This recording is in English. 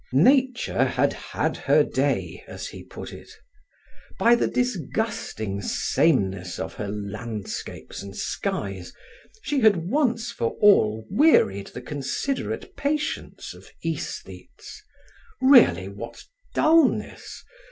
Nature had had her day, as he put it. By the disgusting sameness of her landscapes and skies, she had once for all wearied the considerate patience of aesthetes. Really, what dullness!